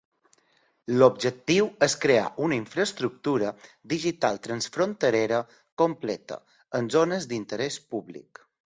L'objectiu és crear una infraestructura digital transfronterera completa, en zones d'interès públic.